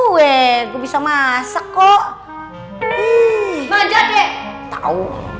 ndesana di sini siapa yang masak lu megah denger tadi gua ngomong lu tenang